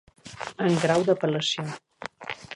En grau d'apel·lació.